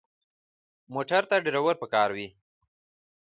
موټر ته ډرېور پکار وي.